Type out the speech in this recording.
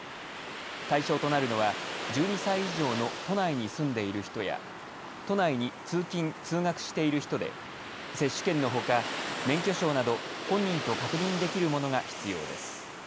対象となるのは１２歳以上の都内に住んでいる人や都内に通勤・通学している人で接種券のほか免許証など本人と確認できるものが必要です。